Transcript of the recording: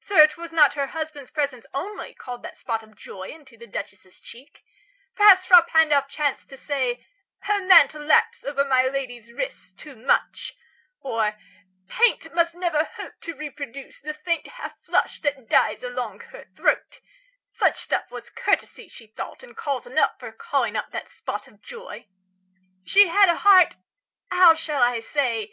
Sir, 'twas not Her husband's presence only, called that spot Of joy into the Duchess' cheek: perhaps Frà Pandolf chanced to say "Her mantle laps Over my lady's wrist too much," or "Paint Must never hope to reproduce the faint Half flush that dies along her throat:" such stuff Was courtesy, she thought, and cause enough 20 For calling up that spot of joy. She had A heart how shall I say?